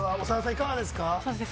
いかがですか？